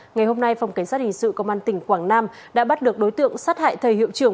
ngày hôm nay phòng cảnh sát hình sự công an tỉnh quảng nam đã bắt được đối tượng sát hại thầy hiệu trưởng